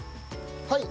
はい。